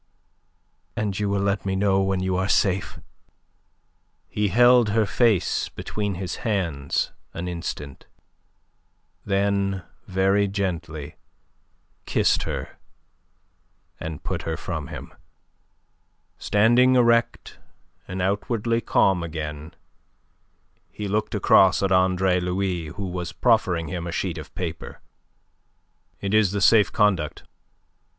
and you will let me know when you are safe?" He held her face between his hands an instant; then very gently kissed her and put her from him. Standing erect, and outwardly calm again, he looked across at Andre Louis who was proffering him a sheet of paper. "It is the safe conduct.